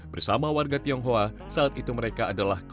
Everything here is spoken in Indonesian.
bersama warga tionghoa saat itu mereka adalah keluarga